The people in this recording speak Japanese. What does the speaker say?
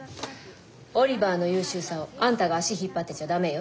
オリバーの優秀さをあんたが足引っ張ってちゃダメよ。